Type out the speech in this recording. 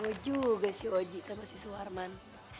wah jago juga si oji sama si suarman